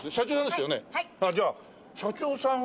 あっじゃあ社長さんは。